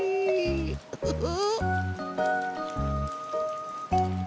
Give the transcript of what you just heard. ウフフ。